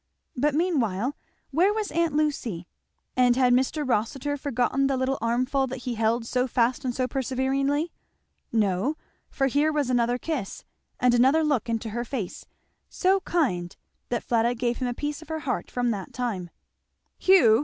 But meanwhile where was aunt Lucy? and had Mr. Rossitur forgotten the little armful that he held so fast and so perseveringly? No, for here was another kiss, and another look into her face, so kind that Fleda gave him a piece of her heart from that time. "Hugh!"